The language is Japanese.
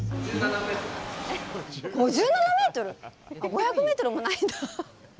５００ｍもないんだ。